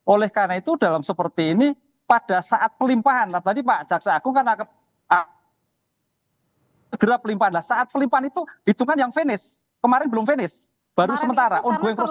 oleh karena itu dalam seperti ini pada saat pelimpahan tadi pak jaksa agung kan akan segera pelimpahan lah saat pelimpahan itu dihitungan yang finish kemarin belum finish baru sementara ongoing proses